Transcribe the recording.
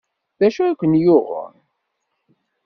D acu ay ken-yuɣen?